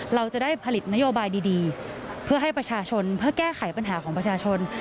เราจะได้ผลิตนโยบายดีเพื่อให้ประชาชนเพื่อแก้ไขปัญหาของประชาชน